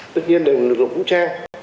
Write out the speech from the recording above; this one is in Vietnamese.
tất nhiên là lực lượng vũ trang